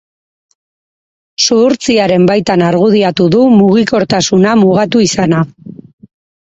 Zuhurtziaren baitan argudiatu du mugikortasuna mugatu izana.